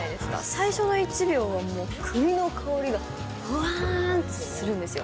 最初の１秒はもうくりの香りがふわーんってするんですよ。